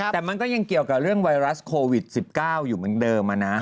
แต่มันก็ยังเกี่ยวกับเรื่องไวรัสโควิด๑๙อยู่เหมือนเดิมนะ